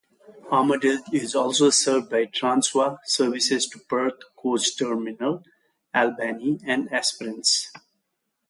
Armadale is also served by Transwa services to Perth Coach Terminal, Albany and Esperance.